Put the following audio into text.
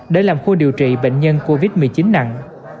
để làm khu điều trị bệnh nhân covid một mươi chín nặng